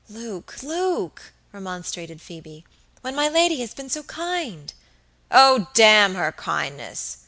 "Luke, Luke!" remonstrated Phoebe, "when my lady has been so kind!" "Oh, damn her kindness!"